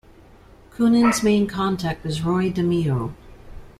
Coonan's main contact was Roy DeMeo.